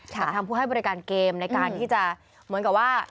กับทางผู้ให้บริการเกมในการที่จะเหมือนกับว่า